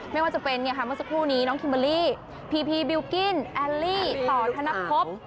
ไม่ว่าจะเป็นเมื่อสักครู่นี้น้องคิมเบอร์รี่พีพีบิลกิ้นแอลลี่ต่อธนภพ